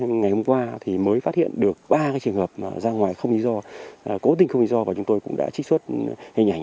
ngày hôm qua thì mới phát hiện được ba trường hợp ra ngoài không lý do cố tình không lý do và chúng tôi cũng đã trích xuất hình ảnh